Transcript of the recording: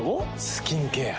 スキンケア。